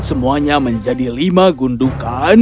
semuanya menjadi lima gundukan